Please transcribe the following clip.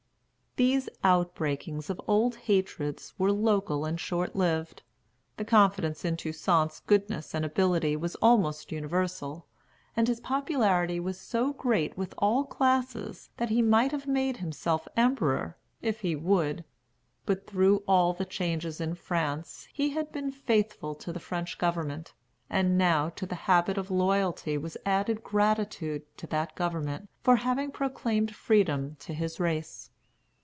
These outbreakings of old hatreds were local and short lived. The confidence in Toussaint's goodness and ability was almost universal; and his popularity was so great with all classes, that he might have made himself emperor, if he would. But through all the changes in France he had been faithful to the French government; and now to the habit of loyalty was added gratitude to that government for having proclaimed freedom to his race.